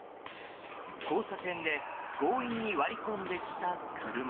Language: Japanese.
交差点で強引に割り込んできた車。